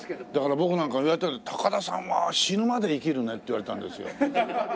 だから僕なんか言われたのが「高田さんは死ぬまで生きるね」って言われたんですよ。